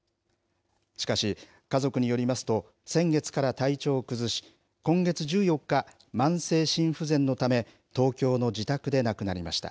しかし、家族によりますと先月から体調を崩し今月１４日、慢性心不全のため東京の自宅で亡くなりました。